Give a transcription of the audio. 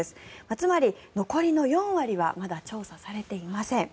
つまり、残りの４割はまだ調査されていません。